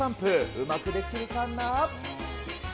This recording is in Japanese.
うまくできるかな？